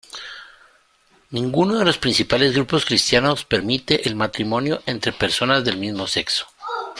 Ninguno de los principales grupos cristianos permiten el matrimonio entre personas del mismo sexo.